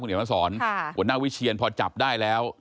คุณเหนียวนักสอนคุณหน้าวิเชียนพอจับได้แล้ว